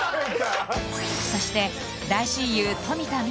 そして大親友富田望